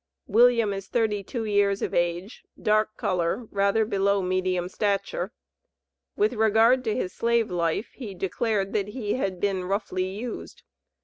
William is thirty two years of age, dark color, rather below medium stature. With regard to his slave life, he declared that he had been "roughly used."